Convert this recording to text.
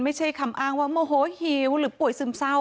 ไม่ใช่คำอ้างว่าโมโหหิวหรือป่วยซึมเศร้า